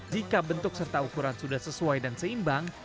jika bentuk serta ukuran sudah sesuai dan seimbang